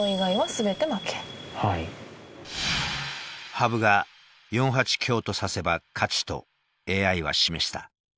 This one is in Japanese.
羽生が４八香と指せば勝ちとＡＩは示した。